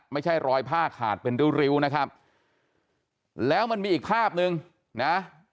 ไม่ใช่รอยผ้าขาดเป็นริ้วริ้วนะครับแล้วมันมีอีกภาพหนึ่งนะ